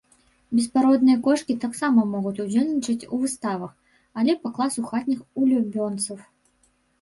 Беспародныя кошкі таксама могуць удзельнічаць у выставах, але па класу хатніх улюбёнцаў.